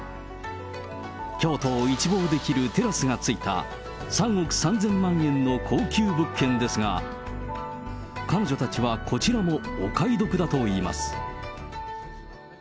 京都を一望できるテラスがついた３億３０００万円の高級物件ですが、彼女たちは、こちらもお買い得だと言います。